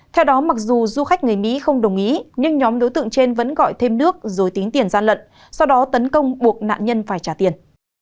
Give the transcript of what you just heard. theo đó mặc dù du khách người mỹ không đồng ý nhưng nhóm đối tượng trên vẫn gọi thêm nước rồi tính tiền gian lận sau đó tấn công buộc nạn nhân phải trả tiền